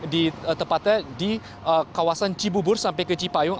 di tempatnya di kawasan cibubur sampai ke cipayung